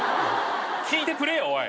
聞いてくれよおい。